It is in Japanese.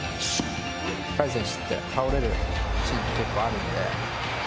海選手って倒れるシーン結構あるので。